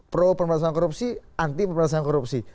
pro pemberantasan korupsi anti pemberantasan korupsi